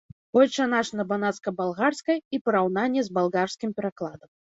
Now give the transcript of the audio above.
Ойча наш на банацка-балгарскай і параўнанне з балгарскім перакладам.